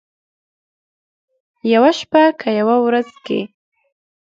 یوه شپه که یوه ورځ کې،